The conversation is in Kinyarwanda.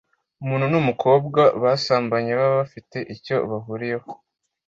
Umuntu n’umukobwa basambanye baba bafite icyo bahuriyeho